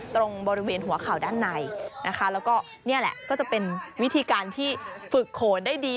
ตรงบริเวณหัวขาวด้านในและนี้ก็จะเป็นวิธีการที่ฝึกโขนได้ดี